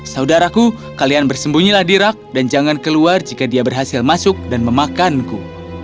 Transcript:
saudaraku kalian bersembunyilah di rak dan jangan keluar jika dia berhasil masuk dan memakanku